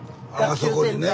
あああそこにね。